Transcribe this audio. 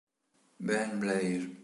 Ben Blair